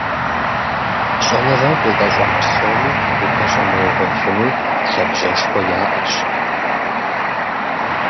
ЩӀэныгъэм къитӀэщӀа псоми упэщӀэмыувэфыну, лъабжьэшхуэ яӀэщ.